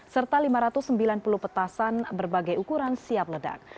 serta lima ratus sembilan puluh petasan berbagai ukuran siap ledak